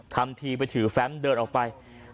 ทำทีไปถือแฟมเดินออกไป